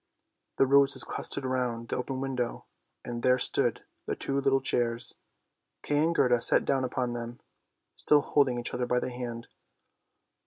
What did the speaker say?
The roses clustered round the open window, and there stood their two little chairs. Kay and Gerda sat down upon them, still holding each other by the hand.